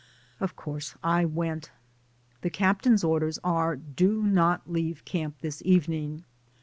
Of course I went. The captain's orders are, "Do not leave camp this evening."